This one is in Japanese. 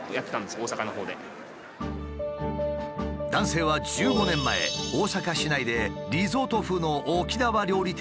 男性は１５年前大阪市内でリゾート風の沖縄料理店を開業。